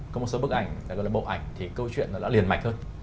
có một số bức ảnh phải gọi là bộ ảnh thì câu chuyện nó đã liền mạch hơn